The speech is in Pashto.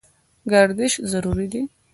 ګردش ضروري دی.